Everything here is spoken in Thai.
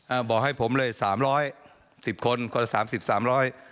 บอกให้ผมเลยสามร้อยสิบคนคนละสามสิบสามร้อย